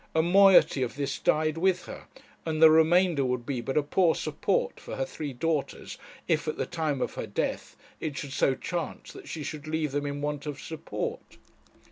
A moiety of this died with her, and the remainder would be but a poor support for her three daughters, if at the time of her death it should so chance that she should leave them in want of support.